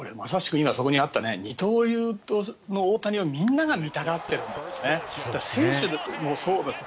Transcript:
今そこにあった、二刀流の大谷をみんなが見たがってるんですよね。